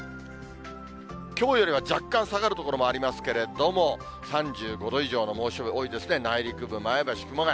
きょうよりは若干下がる所もありますけれども、３５度以上の猛暑日、多いですね、内陸部、前橋、熊谷。